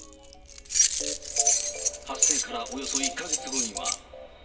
発生からおよそ１か月後には。